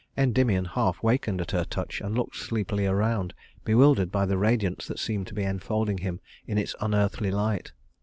Endymion half wakened at her touch, and looked sleepily around, bewildered by the radiance that seemed to be enfolding him in its unearthly light.